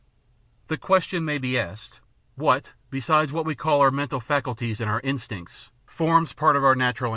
The question may be asked, what, besides what we call our mental faculties and our instincts, forms part of our natural in ^J.